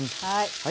はい。